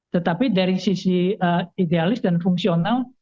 tetapi dari sisi idealis dan fungsional